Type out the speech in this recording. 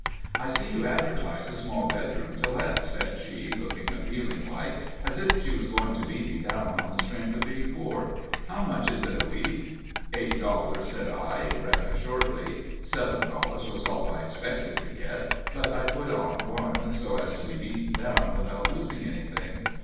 "I see you advertise a small bedroom to let," said she, looking appealing like, as if she was going to beat me down on the strength of being poor. "How much is it a week?" "Eight dollars," said I, rather shortly. Seven dollars was all I expected to get, but I put on one, so as to be beaten down without losing anything.